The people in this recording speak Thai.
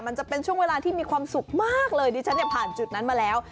มันจะเป็นช่วงเวลาที่มีความสุขมากเลยดิฉันเนี่ยผ่านจุดนั้นมาแล้ว